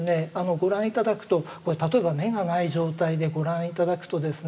ご覧頂くと例えば眼がない状態でご覧頂くとですね